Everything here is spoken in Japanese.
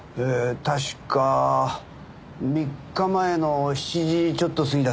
確か３日前の７時ちょっと過ぎだったと思います。